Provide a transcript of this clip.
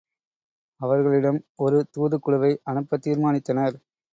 அவர்களிடம் ஒரு தூதுக் குழுவை அனுப்பத் தீர்மானித்தனர்.